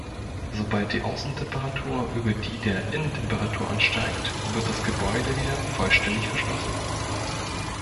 Sobald die Außentemperatur über die der Innentemperatur ansteigt, wird das Gebäude wieder vollständig verschlossen.